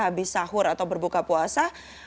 habis sahur atau berbuka puasa